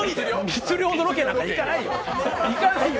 密漁のロケなんか行かないよ。